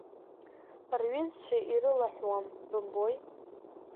Рҩызцәа ирылаҳәуам, бымбои!